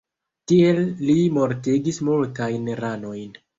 Tiel li mortigis multajn ranojn.